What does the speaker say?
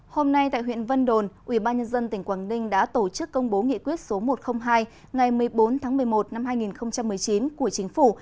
hôm nay tại huyện vân đồn ubnd tỉnh quảng ninh đã tổ chức công bố nghị quyết số một trăm linh hai ngày một mươi bốn tháng một mươi một năm hai nghìn một mươi chín của chính phủ